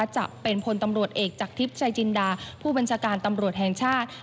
จะเป็นพลตำรวจเอกจากทิพย์ชายจินดาผู้บัญชาการตำรวจแห่งชาติ